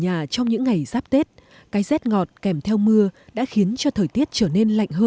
nhà trong những ngày giáp tết cái rét ngọt kèm theo mưa đã khiến cho thời tiết trở nên lạnh hơn